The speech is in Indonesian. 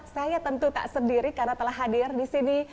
saya tentu tak sendiri karena telah hadir disini